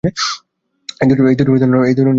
এই দুইটি নানাভাবে মানুষকে আবদ্ধ করে।